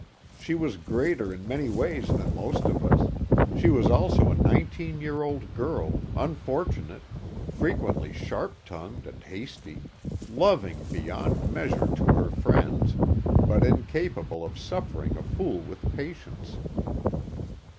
She was greater in many ways than most of us; she was also a nineteen year old girl, unfortunate, frequently sharp tongued and hasty; loving beyond measure to her friends but incapable of suffering a fool with patience.